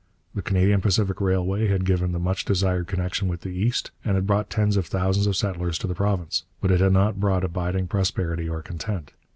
The Canadian Pacific Railway had given the much desired connection with the East and had brought tens of thousands of settlers to the province, but it had not brought abiding prosperity or content.